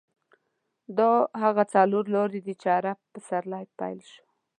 دا هغه څلور لارې ده چې عرب پسرلی پیل شو.